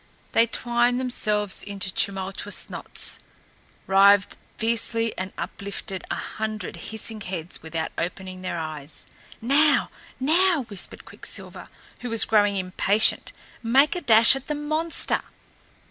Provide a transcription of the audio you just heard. They twined themselves into tumultuous knots, writhed fiercely and uplifted a hundred hissing heads without opening their eyes. "Now, now!" whispered Quicksilver, who was growing impatient. "Make a dash at the monster!"